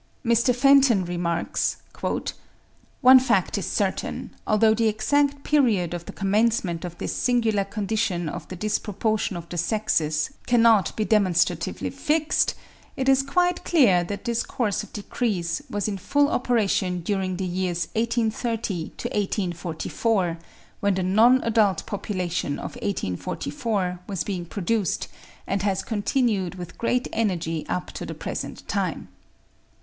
Mr. Fenton remarks (p. 30), "One fact is certain, although the exact period of the commencement of this singular condition of the disproportion of the sexes cannot be demonstratively fixed, it is quite clear that this course of decrease was in full operation during the years 1830 to 1844, when the non adult population of 1844 was being produced, and has continued with great energy up to the present time."